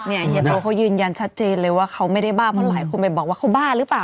เนี่ยยัดโทรเค้ายืนยันชัดเจนเลยว่าเค้าไม่ได้บ้าผ่อนหมาให้คุณไปบอกว่าเค้าบ้าหรือเปล่า